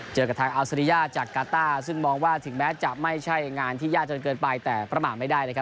เจอกับทางอัลซาริยาจากกาต้าซึ่งมองว่าถึงแม้จะไม่ใช่งานที่ยากจนเกินไปแต่ประมาทไม่ได้นะครับ